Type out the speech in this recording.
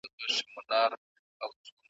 خدای ته رسیږمه شکونه پۀ ځان ډېر اړووم